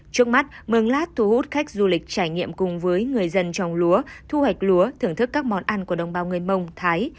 trước mắt mường lát thu hút khách du lịch trải nghiệm cùng với người dân trồng lúa thu hoạch lúa thưởng thức các món ăn của đồng bào người mông thái